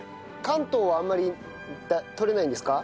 関東はあんまり採れないんですか？